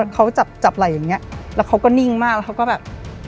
เขาจับไหล่อย่างนี้แล้วเขาก็นิ่งมากแล้วเขาก็แบบ